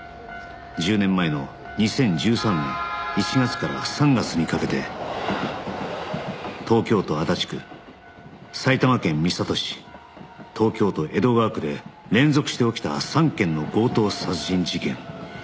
１０年前の２０１３年１月から３月にかけて東京都足立区埼玉県三郷市東京都江戸川区で連続して起きた３件の強盗殺人事件